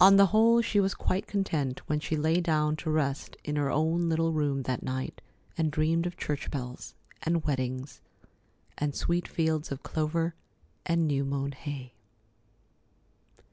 On the whole, she was quite content when she lay down to rest in her own little room that night and dreamed of church bells, and weddings, and sweet fields of clover and new mown hay.